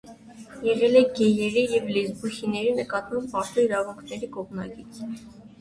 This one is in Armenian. Եղել է գեյերի և լեսբուհիների նկատմամբ մարդու իրավունքների կողմնակից։